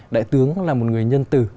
đại tướng là một người nhân tử